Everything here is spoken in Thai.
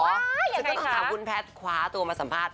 ฉันก็ต้องถามคุณแพทย์คว้าตัวมาสัมภาษณ์